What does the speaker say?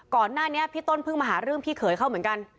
ก่อนหน้านี้พี่ต้นเพิ่งมาหาเรื่องพี่เขยเขาเหมือนกัน